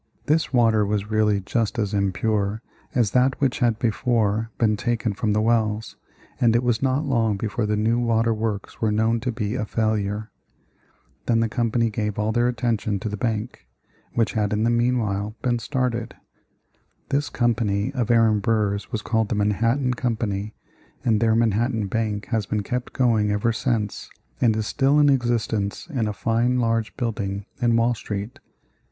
This water was really just as impure as that which had before been taken from the wells, and it was not long before the new water works were known to be a failure. Then the company gave all their attention to the bank, which had in the meanwhile been started. [Illustration: Reservoir of Manhattan Water Works in Chambers Street.] This company of Aaron Burr's was called the Manhattan Company, and their Manhattan Bank has been kept going ever since and is still in existence in a fine large building in Wall Street.